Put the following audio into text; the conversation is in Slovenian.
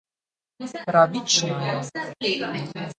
Pravična je.